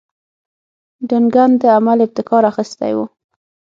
ډنکن د عمل ابتکار اخیستی وو.